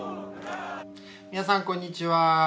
皆さんこんにちは。